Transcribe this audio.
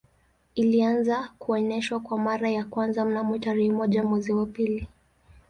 Ilianza kuonesha kwa mara ya kwanza mnamo tarehe moja mwezi wa pili